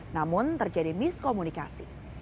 namun terjadi miskomunikasi